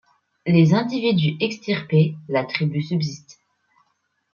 Les individus extirpés, la tribu subsiste.